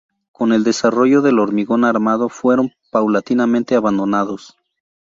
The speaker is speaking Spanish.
Con el desarrollo del hormigón armado fueron paulatinamente abandonados.